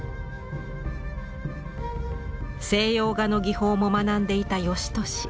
西洋画の技法も学んでいた芳年。